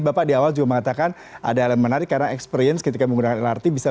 bapak di awal juga mengatakan ada hal yang menarik karena experience ketika menggunakan lrt bisa